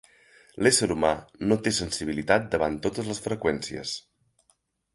L'ésser humà no té sensibilitat davant totes les freqüències.